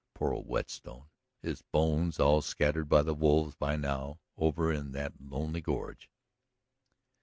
Poor old Whetstone! his bones all scattered by the wolves by now over in that lonely gorge.